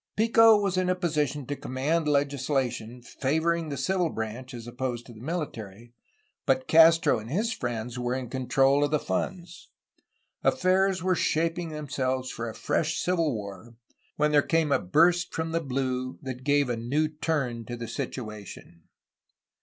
Pico was in a position to command legislation, favoring the civil branch as opposed to the mili tary, but Castro and his friends were in control of the funds. Affairs were shaping themselves for a fresh civil war, when there came a burst from the blue that gave a new turn to the situation.